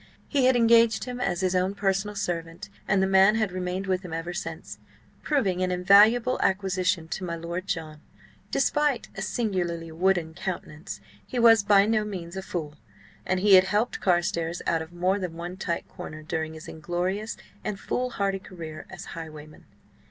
He had engaged him as his own personal servant, and the man had remained with him ever since, proving an invaluable acquisition to my Lord John. Despite a singularly wooden countenance, he was by no means a fool, and he had helped Carstares out of more than one tight corner during his inglorious and foolhardy career as highwayman.